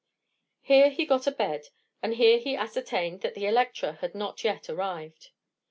Here he got a bed, and here he ascertained that the Electra had not yet arrived.